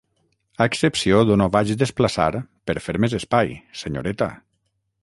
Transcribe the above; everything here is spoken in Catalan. A excepció d'on ho vaig desplaçar per fer més espai, senyoreta.